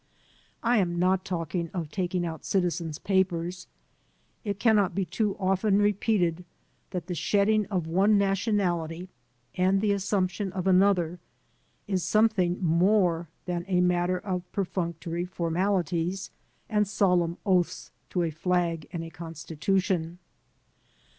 I am not talking of taking out citizen's papers. It can not be too often repeated that the shedding of one nationality and the assumption of another is something more than a matter of perfunctory formalities and solemn oaths to a flag and a constitution.